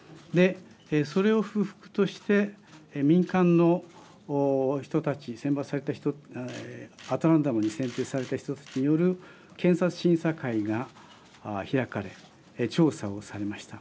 それを不服として民間の人たち、選抜された人アトランダムに選定された人による検察審査会が開かれ調査をされました。